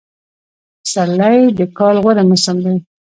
پسرلی دکال غوره موسم دی